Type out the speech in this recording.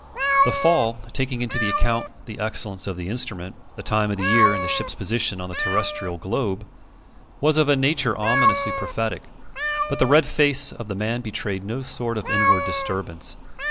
The fall taking into account the excellence of the instrument, the time of the year, and the ship's position on the terrestrial globe was of a nature ominously prophetic; but the red face of the man betrayed no sort of inward disturbance.